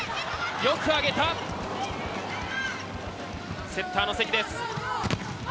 よく挙げた、セッターの関です。